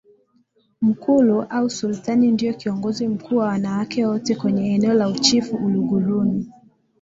Mkulu au Sultana ndiyo Kiongozi Mkuu wa wanawake wote kwenye eneo la Uchifu Uluguruni